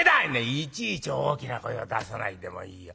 「いちいち大きな声を出さないでもいいよ。